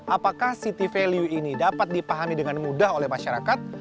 apakah city value ini dapat dipahami dengan mudah oleh masyarakat